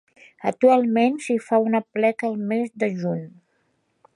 Actualment s'hi fa un aplec al mes de juny.